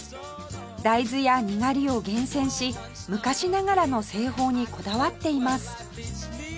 大豆やにがりを厳選し昔ながらの製法にこだわっています